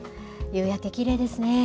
夕焼け、きれいですね。